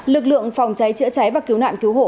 lực lượng phòng cháy chữa cháy và cứu nạn cứu hộ